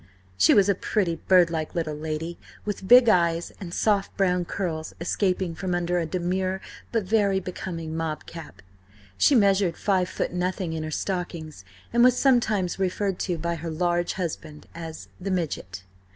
She was a pretty, birdlike little lady, with big eyes, and soft brown curls escaping from under a demure but very becoming mob cap. She measured five foot nothing in her stockings, and was sometimes referred to by her large husband as the Midget.